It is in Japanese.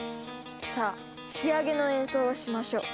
さあ仕上げの演奏をしましょう。